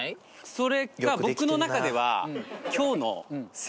それか僕の中では。